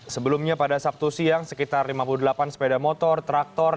sebelumnya pada sabtu siang sekitar lima puluh delapan sepeda motor traktor